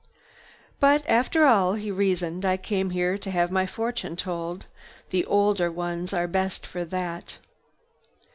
"But after all," he reasoned, "I came to have my fortune told. The older ones are best for that."